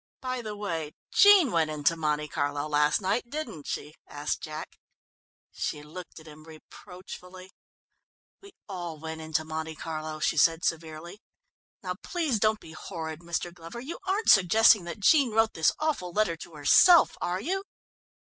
"By the way, Jean went into Monte Carlo last night, didn't she?" asked Jack. She looked at him reproachfully. "We all went into Monte Carlo," she said severely. "Now, please don't be horrid, Mr. Glover, you aren't suggesting that Jean wrote this awful letter to herself, are you?"